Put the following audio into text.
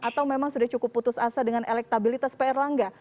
atau memang sudah cukup putus asa dengan elektabilitas pak erlangga